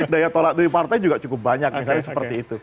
daya tolak dari partai juga cukup banyak misalnya seperti itu